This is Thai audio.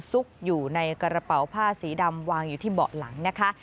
ซุกอยู่ในกระเป๋าผ้าสีดำวางอยู่ที่เบาะหลังนะคะ